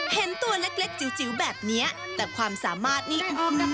เห็นตัวเล็กจิ๋วแบบนี้แต่ความสามารถนี่ยกนิ้วให้เลยค่ะ